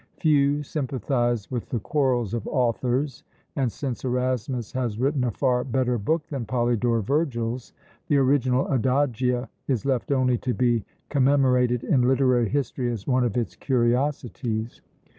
Few sympathise with the quarrels of authors; and since Erasmus has written a far better book than Polydore Vergil's, the original "Adagia" is left only to be commemorated in literary history as one of its curiosities.